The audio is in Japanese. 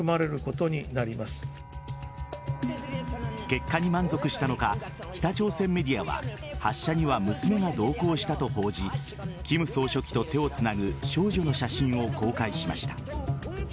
結果に満足したのか北朝鮮メディアは発射には娘が同行したと報じ金総書記と手をつなぐ少女の写真を公開しました。